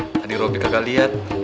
tadi robi kagak liat